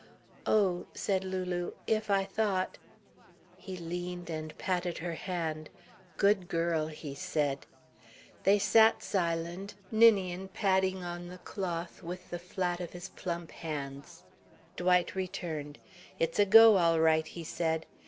"Oh," said Lulu, "if I thought " He leaned and patted her hand. "Good girl," he said. They sat silent, Ninian padding on the cloth with the flat of his plump hands. Dwight returned. "It's a go all right," he said.